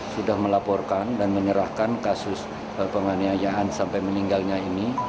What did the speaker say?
sudah melaporkan dan menyerahkan kasus penganiayaan sampai meninggalnya ini